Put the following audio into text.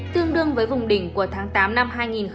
tương đương với vùng đỉnh của tháng tám năm hai nghìn hai mươi